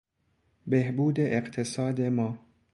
بهبود اقتصاد ما